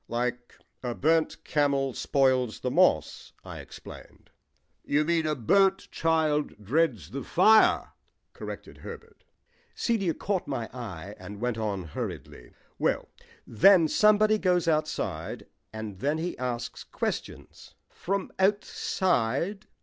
"Like 'A burnt camel spoils the moss,'" I explained. "You mean 'A burnt child dreads the fire,'" corrected Herbert. Celia caught my eye and went on hurriedly, "Well, then somebody goes outside, and then he asks questions " "From outside?"